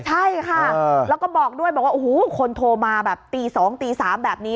ใช่ค่ะแล้วก็บอกด้วยบอกว่าโอ้โหคนโทรมาแบบตี๒ตี๓แบบนี้